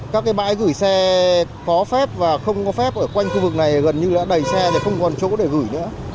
các cái bãi gửi xe có phép và không có phép ở quanh khu vực này gần như đã đầy xe thì không còn chỗ để gửi nữa